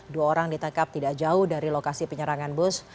dua orang ditangkap tidak jauh dari lokasi penyerangan bus